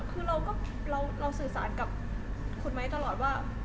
คือเราสื่อสารกับคุณไม้ตลอดว่า